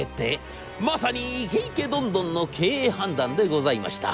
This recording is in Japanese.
まさにイケイケドンドンの経営判断でございました。